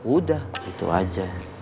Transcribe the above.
udah gitu aja